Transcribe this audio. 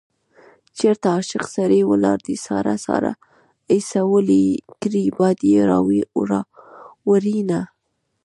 چېرته عاشق سړی ولاړ دی ساړه ساړه اسويلي کړي باد يې راوړينه